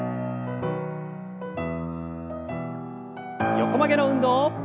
横曲げの運動。